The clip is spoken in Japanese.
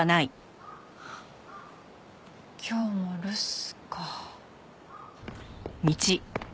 今日も留守か。